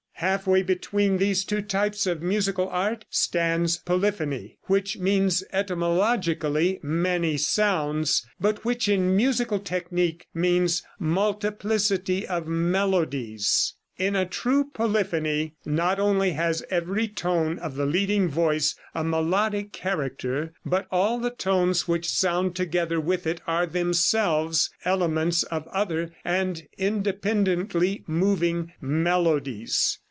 Half way between these two types of musical art stands polyphony, which means etymologically "many sounds," but which in musical technique means "multiplicity of melodies." In a true polyphony not only has every tone of the leading voice a melodic character, but all the tones which sound together with it are themselves elements of other and independently moving melodies.